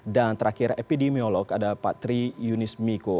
dan terakhir epidemiolog ada pak tri yunis miko